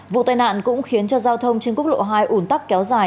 vụ tai nạn cũng khiến cho giao thông trên quốc lộ hai ủn tắc kéo dài